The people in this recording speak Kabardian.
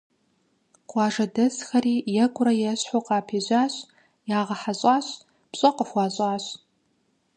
Къуажэдэсхэри екӀурэ-ещхьу къапежьащ, ягъэхьэщӀащ, пщӀэ къыхуащӀащ.